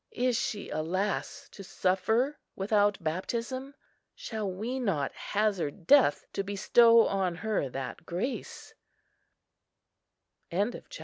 Is she, alas! to suffer without baptism? Shall we not hazard death to bestow on her that grace?"